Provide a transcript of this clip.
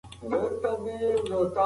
حیات الله د قمرۍ د الوتلو لاره څارله.